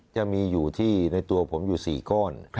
จะมีอยู่ที่ในตัวผมอยู่๔ก้อน